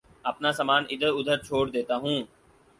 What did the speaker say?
اپنا سامان ادھر ادھر چھوڑ دیتا ہوں